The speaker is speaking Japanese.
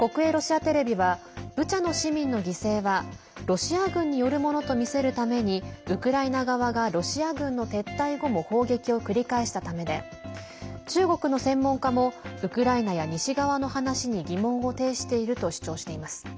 国営ロシアテレビはブチャの市民の犠牲はロシア軍によるものと見せるためにウクライナ側がロシア軍の撤退後も砲撃を繰り返したためで中国の専門家もウクライナや西側の話に疑問を呈していると主張しています。